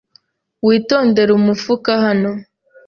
Witondere umufuka hano.